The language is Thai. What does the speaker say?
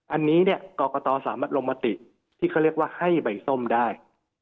อันนี้เนี่ยกรกตสามารถลงมติที่เขาเรียกว่าให้ใบส้มได้